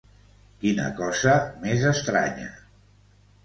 Quina cosa més estranya!